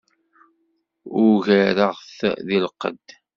Ugareɣ-t deg lqedd.